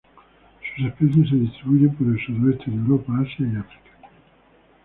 Sus especies se distribuyen por el sudoeste de Europa, Asia y África.